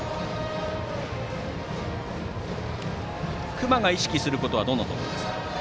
隈が意識することはどんなことですか？